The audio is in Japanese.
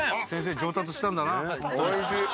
先生、上達したんだな。